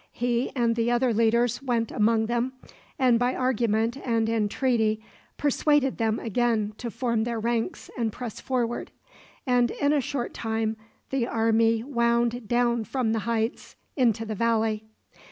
He and the other leaders went among them, and by argument and entreaty persuaded them again to form their ranks and press forward; and in a short time the army wound down from the heights into the valley.